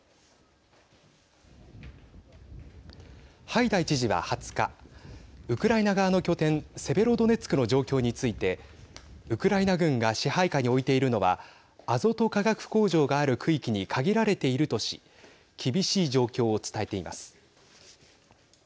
ハイダイ知事は２０日ウクライナ側の拠点セベロドネツクの状況についてウクライナ軍が支配下に置いているのはアゾト化学工場がある区域に限られているとし厳しい状況を伝えています。